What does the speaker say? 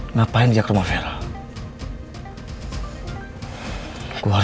itu bukannya mobilnya aldebaran